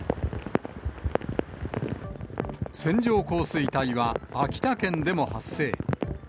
線状降水帯は秋田県でも発生。